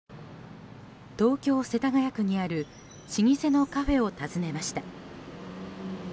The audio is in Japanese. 東京・世田谷区にある老舗のカフェを訪ねました。